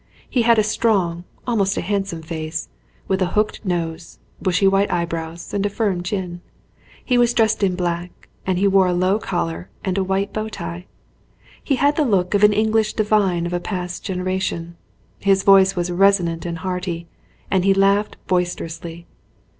He had a strong, almost a handsome face, with a hooked nose, bushy white eyebrows and a firm chin. He was dressed in black, and he wore a low collar and a white bow tie. He had the look of an English divine of a past generation. His voice was resonant and hearty, and he laughed boisterously.